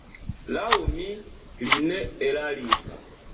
Laŭ mi, li ne eraris.